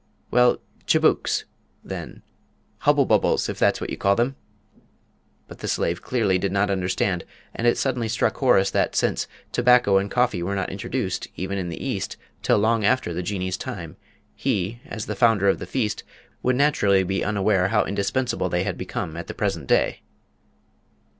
Well, chibouks, then 'hubble bubbles' if that's what you call them." But the slave clearly did not understand, and it suddenly struck Horace that, since 'tobacco and coffee were not introduced, even in the East, till long after the Jinnee's time, he, as the founder of the feast, would naturally be unaware how indispensable they had become at the present day.